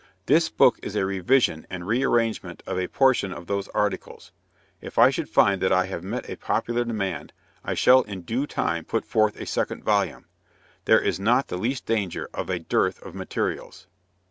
This book is a revision and re arrangement of a portion of those articles. If I should find that I have met a popular demand, I shall in due time put forth a second volume. There is not the least danger of a dearth of materials.